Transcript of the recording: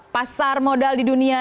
pasar modal di dunia